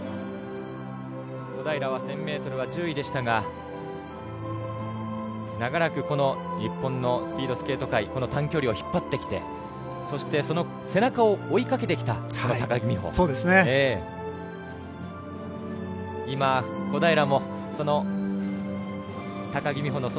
小平は１０００ｍは１０位でしたが長らく日本のスピードスケート界短距離を引っ張ってきてその背中を追いかけてきた高木美帆。